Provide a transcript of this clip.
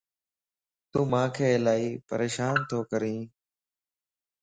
تو مانک الائي پريشان تي ڪرين